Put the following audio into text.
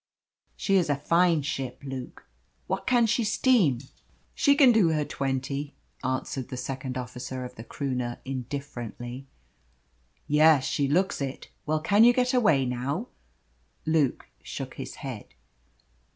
She is a fine ship, Luke! What can she steam?" "She can do her twenty," answered the second officer of the Croonah, indifferently. "Yes, she looks it. Well, can you get away now?" Luke shook his head.